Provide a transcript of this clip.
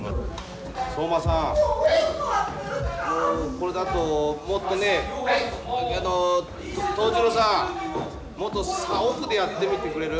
これだともっとね藤十郎さんもっと奥でやってみてくれる？